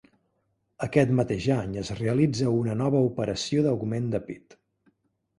Aquest mateix any es realitza una nova operació d'augment de pit.